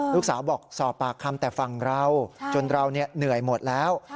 ลูกสาวบอกสอบปากคำแต่ฝั่งเราจนเราเหนื่อยหมดแล้ว